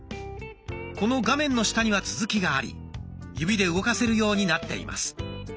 この画面の下には続きがあり指で動かせるようになっています。